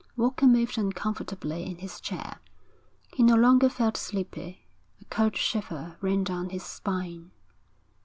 Walker moved uncomfortably in his chair. He no longer felt sleepy. A cold shiver ran down his spine.